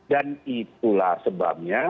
dan itulah sebabnya